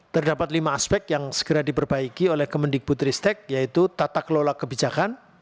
terdapat lima aspek yang segera diperbaiki oleh kemendikbutristek yaitu tata kelola kebijakan